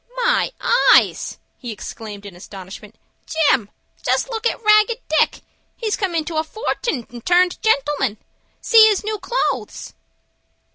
"My eyes!" he exclaimed, in astonishment; "Jim, just look at Ragged Dick. He's come into a fortun', and turned gentleman. See his new clothes."